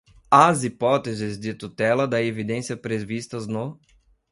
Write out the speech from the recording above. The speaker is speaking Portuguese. às hipóteses de tutela da evidência previstas no